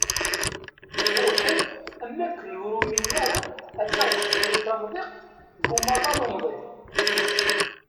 Ṛuḥen am wakken ur uminen ara ad taɣ teqbaylit amdiq deg umaḍal umḍin.